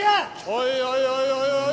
おいおいおいおい。